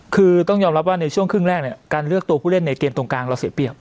คือต้องยอมรับว่าในช่วงครึ่งแรกเนี่ยการเลือกตัวผู้เล่นในเกมตรงกลางเราเสียเปรียบ